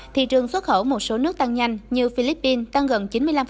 thị trường xuất khẩu một số nước tăng nhanh như philippines tăng gần chín mươi năm